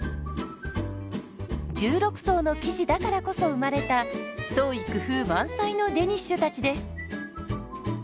１６層の生地だからこそ生まれた創意工夫満載のデニッシュたちです。